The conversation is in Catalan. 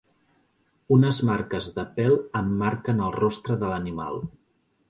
Unes marques de pèl emmarquen el rostre de l'animal.